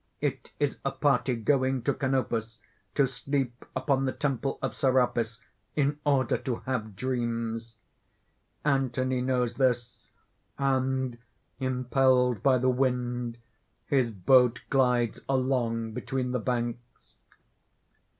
It is a party going to Canopus to sleep upon the temple of Serapis, in order to have dreams. Anthony knows this; and impelled by the wind, his boat glides along between the banks.